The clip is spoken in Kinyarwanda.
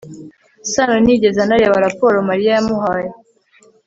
sano ntiyigeze anareba raporo mariya yamuhaye